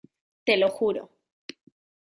te lo juro.